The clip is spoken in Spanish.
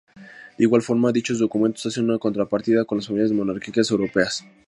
De igual forma, dichos documentos hacen una contrapartida con las familias monárquicas europeas.